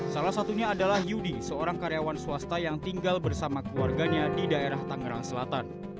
salah satunya adalah yudi seorang karyawan swasta yang tinggal bersama keluarganya di daerah tangerang selatan